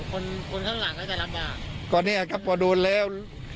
คนคนข้างหลังก็จะรับว่าก็เนี้ยถ้าพอโดนแล้ว